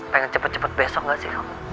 pengen cepet cepet besok gak sih